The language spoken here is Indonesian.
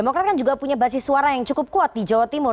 jadi ini juga punya basis suara yang cukup kuat di jawa timur